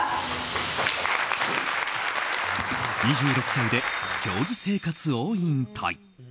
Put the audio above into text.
２６歳で競技生活を引退。